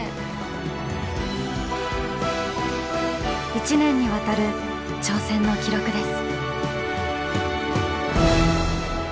１年にわたる挑戦の記録です。